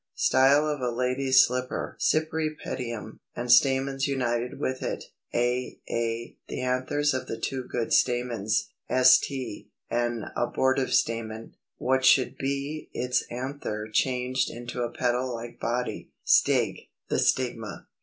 Style of a Lady's Slipper (Cypripedium), and stamens united with it; a, a, the anthers of the two good stamens; st, an abortive stamen, what should be its anther changed into a petal like body; stig, the stigma.